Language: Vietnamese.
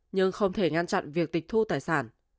nhưng không thể ngăn chặn việc tịch thu tài sản